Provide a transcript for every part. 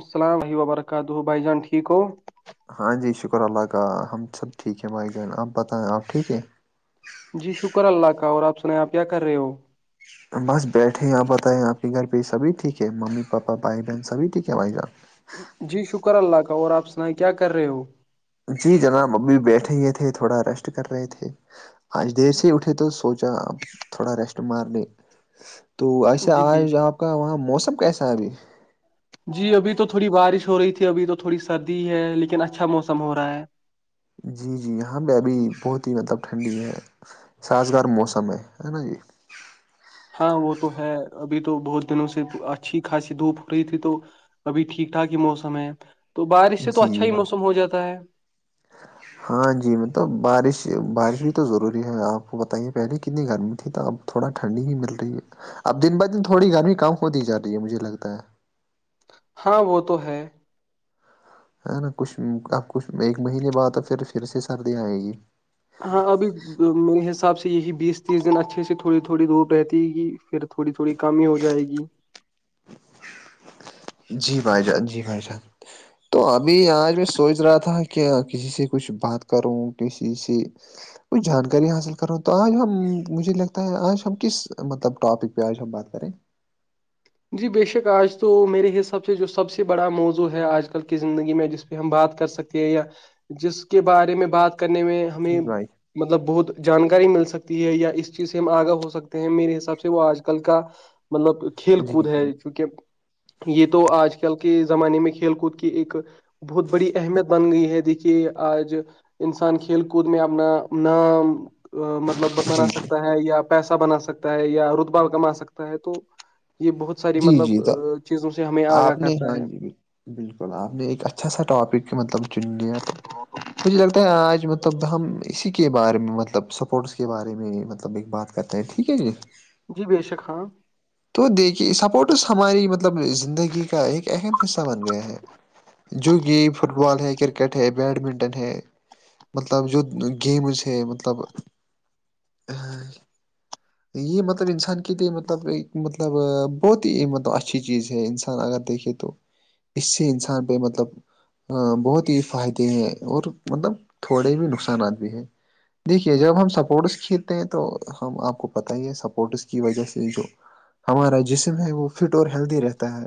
السلام علیکم بابرکاتہ بھائی جان ٹھیک ہو ہاں جی شکر اللہ کا ہم سب ٹھیک ہے بھائی جان آپ بتائیں آپ ٹھیک ہے جی شکر اللہ کا اور آپ سنائیں آپ کیا کر رہے ہو بس بیٹھے ہیں آپ بتائیں آپ کے گھر پہ سبھی ٹھیک ہے ممی پاپا بھائی بہن سبھی ٹھیک ہے بھائی جان [inaudible] جی شکر اللہ کا اور آپ سنائیں کیا کر رہے ہو جی جناب ابھی بیٹھے ہے تھے تھوڑا ریسٹ کر رہے تھے آج دیر سے ہی اٹھے تو سوچا آپ تھوڑا ریسٹ مار لی تو ایسے جی آج دیکھیے آپ کا وہاں موسم کیسا ہے ابھی جی ابھی تو تھوڑی بارش ہو رہی تھی ابھی تو تھوڑی سردی ہے لیکن اچھا موسم ہو رہا ہے جی جی یہاں پہ ابھی بہت ہی مطلب ٹھنڈی ہے سازگار موسم ہے ہے نا جی ہاں وہ تو ہے ابھی تو بہت دنوں سے اچھی خھاصی دھوپ ہو رہی تھی تو ابھی ٹھیک ٹھاک ہی موسم ہے تو بارش سے تو اچھا ہی موسم ہو جاتا ہے ہاں ہاں جی مطلب بارش بارش بھی تو ضروری ہے آپ کو بتائیے پہلے کتنی گرمی تھی تو اب تھوڑا ٹھنڈی ہی مل رہی ہے اب دن ب دن تھوڑی گرمی کم ہو دی جا رہی ہے مجھے لگتا ہے ہاں وہ تو ہے ہے نا کچھ اب کچھ ایک مہینے بعد تو پھر پھر سے سردی آئے گی ہاں ابھی میرے حساب سے یہی بیس تیس دن اچھے سے تھوڑی تھوڑی دوپ رہتی گ پھر تھوڑی تھوڑی کمی ہو جائے گی جی بھائی جان جی بھائی جان تو ابھی آج میں سوچ رہا تھا کہ کسی سے کچھ بات کروں کسی سے کوھ جانکاری حاصل کروں تو آج ہم مجھے لگتا ہے آج ہم کس مطلب ٹاپک پہ آج ہم بات کریں جی بےشک آج تو میرے حساب سے جو سب سے بڑا موضوع ہے آج کل کی زندگی میں جس پہ ہم بات کر سکتے یا جس کے بارے میں بات کرنے میں ہمیں جی بھائی مطلب بہت جانکاری مل سکتی ہے یا اس چیز سے ہم آگاہ ہو سکتے ہیں میرے حساب سے وہ آج کل کا مطلب کھیل جی جی کود ہے چونکہ یہ تو آج کل کے زمانے میں کھیل کود کی ایک بہت بڑی اہمیت بن گئی ہے دیکھیے آج انسان کھیل کود میں اپنا نام مطلب بنا جی سکتا ہے یا پیسہ بنا سکتا ہے یا رتبہ کما سکتا ہے تو یہ بہت ساری جی مطلب جی تو چیزوں سے ہمیں آگاہ آپ نے کرتا ہاں ہے جی بال- بالکل آپ نے ایک اچھا سا ٹاپک مطلب چن لیا تو مجھے لگتا ہے آج مطلب ہم اسی کے بارے میں مطلب سپورٹس کے بارے میں مطلب ایک بات کہتے ہیں ٹھیک ہے جی جی بیشک ہاں تو دیکھیے سپورٹس ہماری مطلب زندگی کا ایک اہم حصہ بن گیا ہے جو کہ فٹ بال ہے کرکٹ ہے بیڈمنٹن ہے مطلب یہ گیمز ہے مطلب یہ مطلب انسان کے لیے مطلب ایک مطلب بہت ہی مطلب اچھی چیز ہے انسان انان اگر دیکھے تو اس سے انسان پہ مطلب بہت ہی فائدے ہیں اور مطلب تھوڑے بھی نقصانات بھی ہیں دیکھیے جب ہم سپورٹس کھیلتے ہیں تو ہم آپ کو پتہ ہی ہے سپورٹس کی وجہ سے جو ہمارا جسم ہے وہ فٹ اور ہیلدی رہتا ہے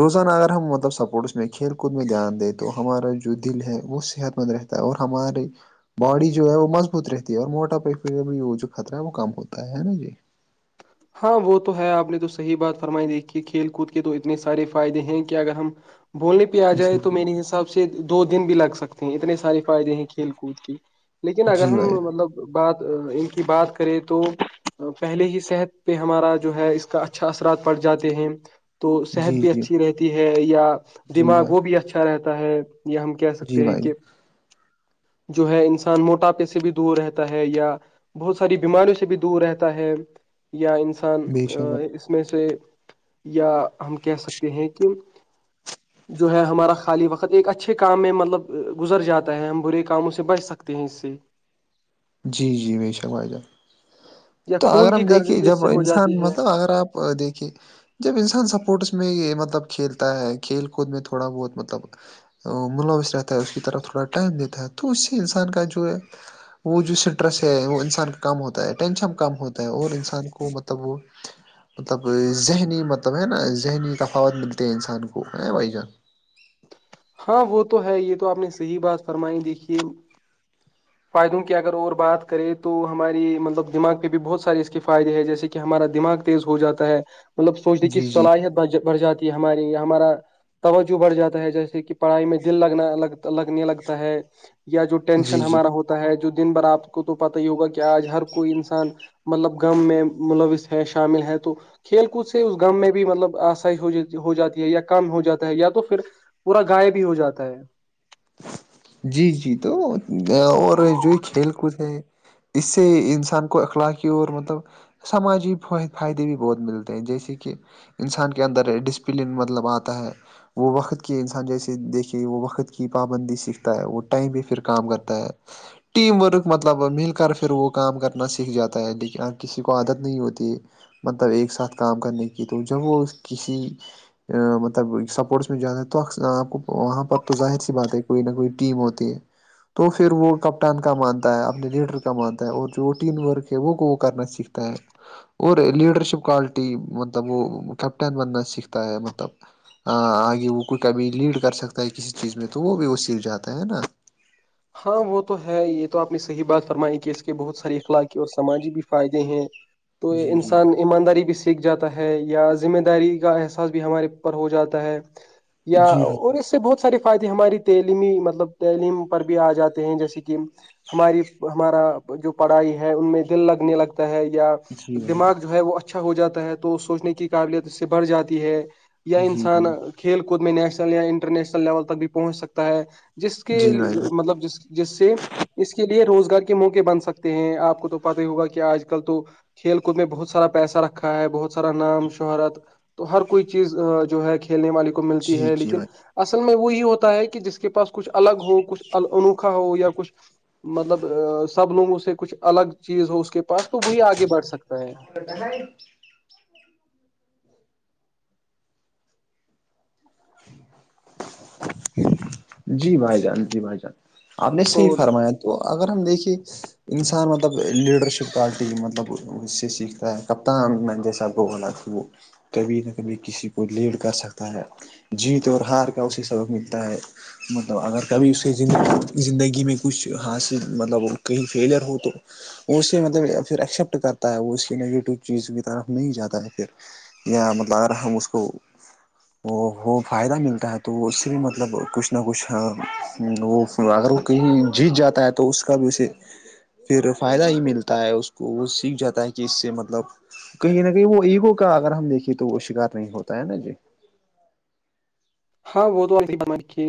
روزانہ اگر ہم مطلب سپورٹس میں کھیل کود میں دھیان دیں تو ہمارا جو دل ہے وہ صحت مند رہتا اور ہمارے باڈی جو ہے وہ مضبوط رہتی ہے اور موٹا پی جو خطرہ ہے وہ کم ہوتا ہے نا جی ہاں وہ تو ہے آپ نے تو صحیح بات فرمائی دیکھی کہ کھیل کود کے تو اتنے سارے فائدے ہیں کہ اگر ہم بولنے پہ آ جائے جی تو میرے حساب سے دو دن بھی لگ سکتے ہیں اتنے سارے فائدے ہیں کھیل کود کی لیکن اگر جی ہم بھائی مطلب بات ان کی بات کریں تو پہلے ہی صحت پہ ہمارا جو ہے اس کا اچھا اثرات پڑ جاتے ہیں تو جان صحت جی بھی جی اچھی رہتی ہے یا جی دماغ بھائی وہ بھی اچھا رہتا ہے ہم کہہ جی سکتے ہیں بھائی کہ جو ہے انسان موٹاپے سے بھی دور رہتا ہے یا بہت ساری بیماریوں سے بھی دور رہتا ہے یا انسان بے شک بھائی ا میں سے یا ہم کہہ سکتے ہیں کہ [unintelligible] جو ہے ہمارا خالی وقت ایک اچھے کام میں مطلب گزر جاتا ہے ہم برے کاموں سے بچ سکتے ہیں اس سے جی جی بے شک وائی جان یا تو اگر خون ہم کی گرزش دیکھیے بھی اس جب سے ہو انسان جاتی ہے مطلب اگر آپ دے کے جب انسان سپورٹس میں یہ مطلب کھیلتا ہے کھیل کود میں تھوڑا بہت مطلب ملوث رہتا ہے اس کی طرف تھوڑا ٹائم دیتا ہے تو اس سے انسان کا جو ہے وہ جو اسٹریس ہے وہ انسان کا کم ہوتا ہے ٹینشن کم ہوتا ہے اور انسان کو مطلب وہ مطلب ذہنی مطلب ہے نا ذہنی تفاوت ملتے ہیں انسان کو ہے بھائی جان ہاں وہ تو ہے یہ تو آپ نے صحیح بات فرمائی دیکھیے فائدوں کی اگر اور بات کریں تو ہماری مطلب دماغ پہ بھی بہت سارے اس کے فائدے ہیں جیسے کہ کہ ہمارا دماغ تیز ہو جاتا ہے مطلب سوچنے کی جی جی صلاحیت بڑھ جاتی ہے ہماری یا ہمارا توجہ بڑھ جاتا ہے جیسے کہ پڑھائی میں دل لگنا لگ لگنے لگتا ہے یا جو ٹینشن جی جی ہمارا ہوتا ہے جو دن بھر آپ کو تو پت ہی ہوگا کہ آج ہر کوئی انسان مطلب غم میں ملوث ہے شامل ہے تو کھیل کود سے اس گام میں بھی مطلب آسائی ہو جاتی ہے یا کام ہو جاتا ہے یا تو پھر پورا گائےب بھی ہو جاتا ہے جی جی تو اور جو کھیل کود ہے اس سے انسان کو اخلاقی اور مطلب سماجی فائدے بھی بہت ملتے ہیں جیسے کہ انسان کے اندر ڈسپلن مطلب آتا ہے وہ وقت کے انسان جیسے دیکھے وہ وقت کی پابندی سے ہے وہ ٹائم بھی پھر کام کرتا ہے ٹیم ورک مطلب مل کر پھر وہ کام کرنا سیکھ جاتا ہے لیکن کسی کو عادت نہیں ہوتی ہے مطلب ایک ساتھ کام کرنے کی تو جب وہ اس کسی مطلب سپورٹس میں جاتا ہے تو آپ کو وہاں پر تو ظاہر سی بات ہے کوئی نہ کوئی ٹیم ہوتی ہے تو پھر وہ کپتان کا مانتا ہے اپنے لیڈر کا مانتا ہے اور جو ٹیم ورک ہے وہ کو وہ کرنا سیکھتا تو اور لیڈرشپ کوالٹی مطلب وہ کیپٹن بننا سیکھتا ہے مطلب آگے وہ کوئی کبھی لیڈ کر سکتا ہے کسی چیز میں تو وہ بھی وہ سیکھ جاتا ہے نا ہاں وہ تو ہے یہ تو آپ نے صحیح بات فرمائی کہ اس کے بہت ساری اخلاقی اور سماجی بھی فائدے ہیں تو یہ جی جی انسان ایمانداری بھی سیکھ جاتا ہے یا ذمہ داری کا احساس بھی ہمارے ا پر ہو جاتا ہے یا جی اور اس بھائی سے بہت سارے فائدے ہماری تعلیمی مطلب تعلیم پر بھی آ جاتے ہیں جیسے کہ ہماری ہمارا جو پڑھائی ہے ان میں دل لگنے لگتا ہے یا جی بھائی دماغ جو ہے وہ اچھا ہو جاتا ہے تو سوچنے کی قابلیت اس سے بڑھ جاتی ہے یا جی انسان جی کھیل کود میں نیشنل یا انٹرنییشنل لیول تک بھی پہنچ سکتا ہے جس کے جی بھائی مطلب جس جس سے اس کے لیے روزگار کے موقع بن سکتے ہیں آپ کو تو پتا ہی ہوگا کہ آج کل تو کھیل کود میں بہت سارا پیسہ رکھا ہے بہت سارا نام شہرت تو ہر کوئی چیز جو ہے کھیلنے والی ملتی جی ہے جی لیکن بھائی اصل میں وہی ہوتا ہے کہ جس کے پاس کچھ الگ ہوگا انوکھا ہو یا کچھ مطلب سب لوگوں سے کچھ الگ چیز ہو اس کے پاس تو وہی آگے بڑھ سکتا ہے ا ہے جی بھائی جان جی بھائی جان آپ نے صحیح اور فرمایا تو اگر ہم دیکھیے انسان مطلب لیڈرشپ کوالٹی مطلب اس سے سیکھتا ہے کپتان میں جیسا آپ کو بولا کہ وہ کبھی نہ کبھی کسی کو لیڈ کر سکتا ہے جیت اور ہار کا اسی سبق ملتا ہے مطلب اگر کبھی اس کےی زندگی میں کچھ حاصل مطلب کہیں فیلیئر ہو تو وہ اسے مطلب پھر ایکسپٹ کرتا ہے وہ اس کی نگیٹو چیز کی طرف نہیں جاتا ہے پھر یا مطلب اگر ہم اس کو وہ ہو فائدہ ملتا ہے تو اس سے بھی مطلب کچھ نہ کچھ وہ اگر وہ کہیں جیت جاتا ہے تو تو اس کا بھی اسے پھر فائدہ ہی ملتا ہے اس کو وہ سیکھ جاتا ہے کہ اس سے مطلب کہیں نہ کہیں وہ ایگو کا اگر ہم دیکھیے تو وہ شکار نہیں ہوتا ہے نا جی ہاں وہ تو ای بنا رھی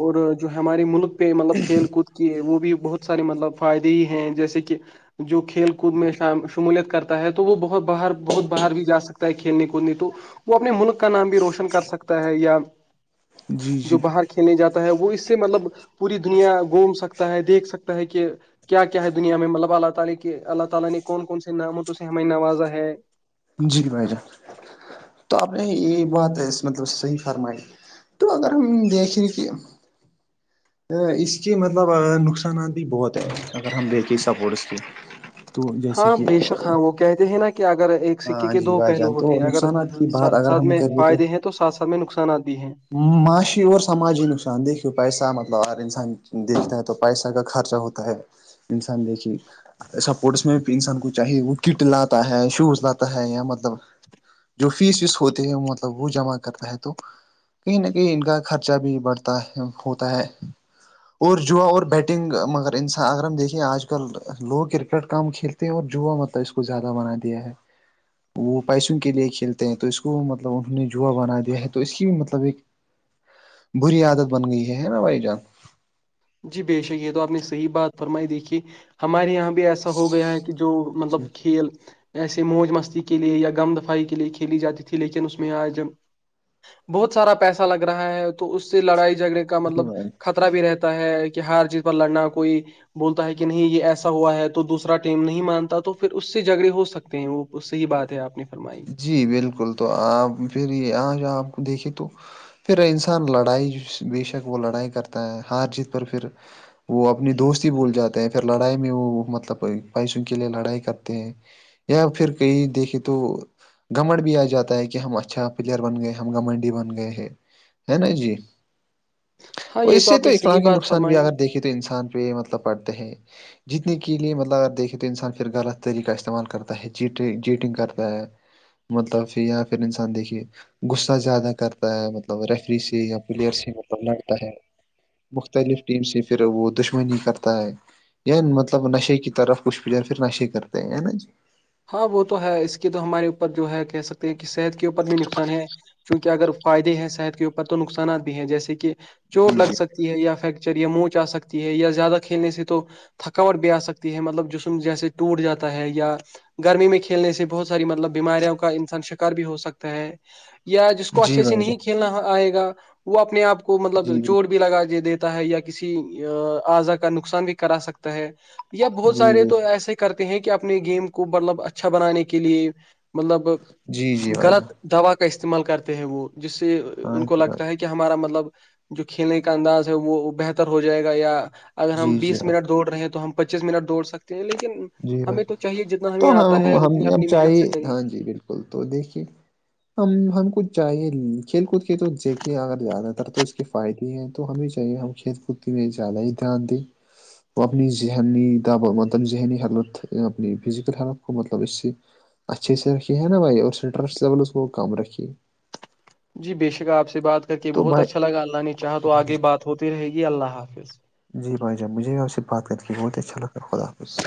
اور جو ہمارے ملک پہ مطلب کھیل کود کے وہ بھی بہت سارے مطلب فائدے ہی ہیں جیسے کہ جو کھیل کود میں شمولیت کرتا ہے تو وہ بہت باہر بہت باہر بھی جا سک ہے کھیلنے کودنی تو وہ اپنے ملک کا نام بھی روشن کر سکتا ہے یا جی جو جی باہر کھیلنے جاتا ہے وہ اس سے مطلب پوری دنیا گھوم سکتا ہے دیکھ سکتا ہے کہ کیا کیا ہے دنیا میں مطلب اللہ تعالی کے اللہ تعالی نے کون کون سے نام سے ہم نوازا ہے جی بھائی جان تو آپ نے یہ بات مطلب صحیح فرمائی تو اگر ہم دیکھیں کہ اس کے مطلب نقصانات بھی بہت ہیں اگر ہم دیکھیں سپورٹس کی ج ہاں بے شک ہاں وہ کہتے ہیں نا کہ اگر ایک سکے ہاں کے جی دو بھائی پہلو جان ہوتے تو ہیں اگر نقصانات کی بات ساتھ اگر سات ہم میں کریں فائدے ہیں تو ساتھ ساتھ میں نقصانات بھی ہیں معاشی اور سماجی نقصان دیکھیو پیسہ مطلب ہر انسان دیکھتا ہے تو پیسہ کا خرچہ ہوتا ہے انسان دیکھیے سپورٹس میں بھی انسان کو چاہیے وہ کٹ لاتا ہے شوز لاتا ہے یا مطلب جو فیس ویس ہوتے ہیں مطلب وہ جمع کرنا ہے تو کہیں نہ کہیں ان کا خرچہ بھی بڑھتا ہے ہوتا ہے اور جوا اور بیٹنگ مگر انسان اگر ہم دیکھے آج کل لوگ کرکٹ کم کھیلتے ہیں اور جوا مطلب اس کو زیادہ بنا دیا ہے وہ پیسوں کے لیے کھیلتے ہیں تو اس کو مطلب انہوں نے جوا بنا دیا ہے تو اس کی مطلب ایک بری عادت بن گئی ہے نا بھائی جان جی بے شک یہ تو آپ نے صحیح بات فرمائی دیکھی ہمارے یہاں بھی ایسا ہو گیا ہے کہ جو مطلب جی کھیل ایسے موج مستی کے لیے یا غم دفائی کے لیے کھیلی جاتی تھی لیکن اس میں آج بہت سارا پیسہ لگ رہا ہے تو اس سے لڑائی جھگڑے کا جی مطلب بھائی خطرہ بھی رہتا ہے کہ ہر چیز پر لڑنا کوئی بولتا ہے کہ نہیں یہ ایسا ہوا ہے تو دوسا ٹیم نہیں مانتا تو پھر اس سے جھگڑے ہو سکتے ہیں وہ صحیح بات ہے آپ نے فرمائی جی بالکل تو آپ پھر آج آپ دیکھے تو پھر انسان لڑائی بے شک وہ لڑائی کرتا ہے ہار جیت پر پھر وہ اپنی دوستی بول جاتے ہیں پھر لڑائی میں وہ مطلب بائیس ان کے لیے لڑائی کرتے ہیں یا پھر کہئی دیکھے تو گمنڈ بھی آ جاتا ہے کہ ہم اچھا پلیئر بن گئے ہم گمنڈی بن گئے ہیں ہے نا جی ہاں اور یہ اس سے آپ تو نے اکلا صحیح کے بات نقصان بھی فرمائی اگر دیکھیے تو تو انسان پہ یہ مطلب پڑھتے ہیں جیتنے کے لیے مطلب اگر دیکھے تو انسان پھر غلط طریقہ استعمال کرتا ہےی جیٹنگ کرتا ہے مطلب کہھر یا پھر انسان دیکھیے غصہ زیادہ کرتا ہے مطلب ریفری سے یا پلیئر سے مطلب لڑتا ہے مختلف ٹیم سے پھر وہ دشمنی کرتا ہے مطلب نشے کی طرف کچھ بھی پھر نشے کرتے ہیں نا جی ہاں وہ تو ہے اس کے تو ہمارے اوپر جو ہے کہہ سکتے ہیں کہ صحت کے اوپر بھی نقصان ہے کیونہ اگر فائدے ہیں صحت کے اوپر تو نقصانات بھی ہیں جیسے کہ چوٹ لگ سک یا فیکچر یا موچ آ سکتی ہے یا زیادہ کھیلنے سے تو تھکاوٹ بھی آ سکتی ہے مطلب جسم جیسے ٹوٹ جاتا ہے یا گرمی میں کھیلنے سے بہت ساری مطلب بیماریوں کا انسان شکار بھی ہو سکتا ہے یا جس کو جی جی جی جی اچھے سے بھائی نہیں جان کھیلنا آئے گا وہ اپنے آپ کو مطلب جی بے- چور بھی لگا دیتے ہے یا کسی آضا کا نقصان بھی کرا سکتا ہے یا بہت جی سارے بے تو شک ایسے ہی کرتے ہیں کہ اپنے گیم کو مطلب اچھا بنانے کے لیے مطلب جی جی بھائی جان غلط دوا کا استعمال کرتے ہیں وہ جس سے ہاں ان کو جی بھائی لگتا ہے کہ ہمارا مطلب جو کھیلنے کا انداز ہے وہ بہتر ہو جائے گا یا- اگر ہم جی جی بیس بھائی منٹ دوڑ رہے ہیں تو ہم, پچیس منٹ دوڑ سکتے ہیں لیکن- جی ب ہمیں تو چاہیے جتنا تو ہمیں ہم آتا ہے اتنی ہم اپنی محنت چاہیے سے کریے ہاں جی بالکل تو دیکھیے- ہم, ہم کو چاہیے کھیل کود کے تو دیکھے اگر زیادہ تر تو اس کے فائدے ہیں تو ہمیں چاہیے ہم کھیت کوتی میں زیادہ ہی دھیان دیں [unintelligible] ل اپنی فزیکل ہیلتھ کو مطلب اس سے- اچھے سے رکھی ہے نا بھائی اور اسٹرس لیولس کو کم رکھی جی بے شک آپ سے بات کر کے تو بہت بھائی اچھا لگا اللہ نے چاہا تو بھائی آگے بات ہوتی رہے گی اللہ حافظ جی بھائی جان مجھے بھی آپ سے بات کر کے بہت اچھا لگا خدافظ